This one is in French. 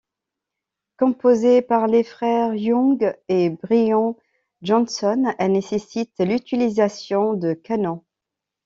Composée par les frères Young et Brian Johnson, elle nécessite l'utilisation de canons.